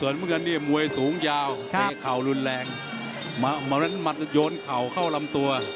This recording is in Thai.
น้ำเงินนี่มวยสูงยาวเตะเข่ารุนแรงมาวันนั้นโยนเข่าเข้าลำตัว